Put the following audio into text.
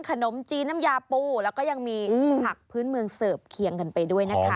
ขนมจีนน้ำยาปูแล้วก็ยังมีผักพื้นเมืองเสิร์ฟเคียงกันไปด้วยนะคะ